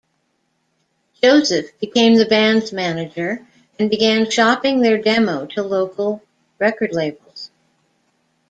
Joseph became the band's manager and began shopping their demo to local record labels.